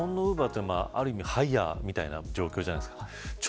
日本のウーバーというのはある意味、ハイヤーみたいな状況じゃないですか。